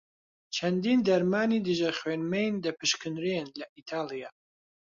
چەندین دەرمانی دژە خوێن مەین دەپشکنرێن لە ئیتاڵیا.